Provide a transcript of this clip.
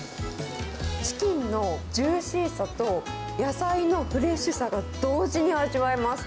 チキンのジューシーさと、野菜のフレッシュさが同時に味わえます。